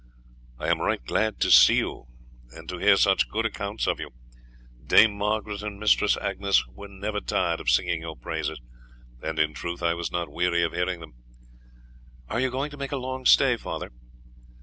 "I am right glad to see you," the latter said, "and to hear such good accounts of you. Dame Margaret and Mistress Agnes were never tired of singing your praises, and in truth I was not weary of hearing them." "Are you going to make a long stay, father?"